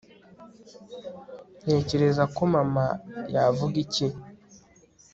ntekereza ko, mama yavuga iki ..